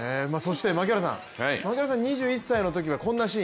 牧原さん、２１歳のときはこんなシーン。